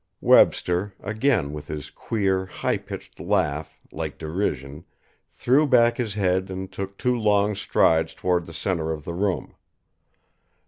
Webster, again with his queer, high pitched laugh, like derision, threw back his head and took two long strides toward the centre of the room.